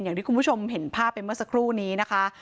อย่างที่คุณผู้ชมเห็นภาพไปเมื่อสักครู่นี้นะคะ